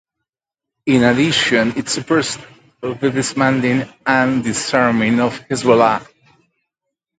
In addition, it supports the dismantling and disarming of Hezbollah.